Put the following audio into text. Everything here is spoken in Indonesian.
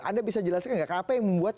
anda bisa jelaskan nggak apa yang membuat